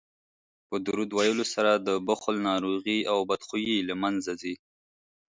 په درود ویلو سره د بخل ناروغي او بدخويي له منځه ځي